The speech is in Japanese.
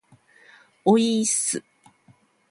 おいーっす